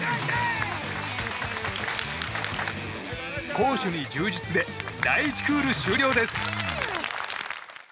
攻守に充実で第１クール終了です。